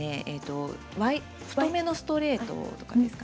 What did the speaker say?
太めのストレートです。